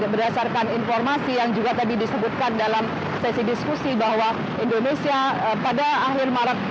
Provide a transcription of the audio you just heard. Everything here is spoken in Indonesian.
berdasarkan informasi yang juga tadi disebutkan dalam sesi diskusi bahwa indonesia pada akhir maret